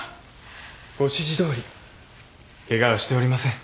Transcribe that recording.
ご指示どおりケガはしておりません。